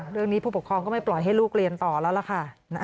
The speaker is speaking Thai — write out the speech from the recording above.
เรื่องนี้ผู้ปกครองไม่ไพลให้ลูกเรียนต่อแล้วล่ะค่ะ